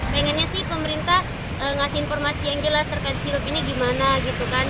pengennya sih pemerintah ngasih informasi yang jelas terkait sirup ini gimana gitu kan